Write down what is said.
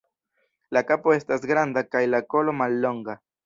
La kapo estas granda kaj la kolo mallonga.